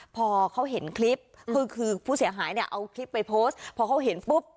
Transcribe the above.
พอเขาเห็นคลิปคือคือผู้เสียหายเนี่ยเอาคลิปไปโพสต์พอเขาเห็นปุ๊บ